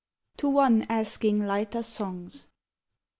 125 TO ONE ASKING LIGHTER SONGS.